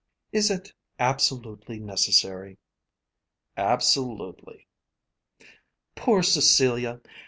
"Is it absolutely necessary?" "Absolutely." "Poor Cecilia!